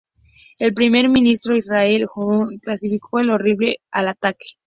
El Primer Ministro de Israel, Ehud Ólmert, calificó de "horrible" al ataque.